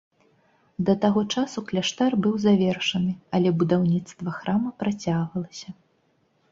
Да таго часу кляштар быў завершаны, але будаўніцтва храма працягвалася.